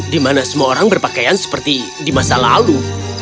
di mana semua orang berpakaian seperti di masa lalu